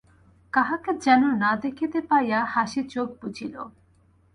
কাহাকে যেন না দেখিতে পাইয়া হাসি চোখ বুজিল।